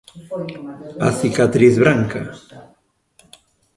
A cicatriz branca.